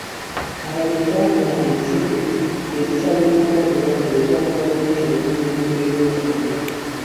Abalimi baafuna ensigo ezitalumbibwa bulwadde okuva mu gavumenti okulima ebintu eby'okutunda.